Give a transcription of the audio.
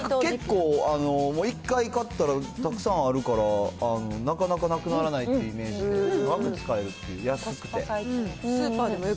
結構、もう一回買ったら、たくさんあるから、なかなかなくならないっていうイメージで。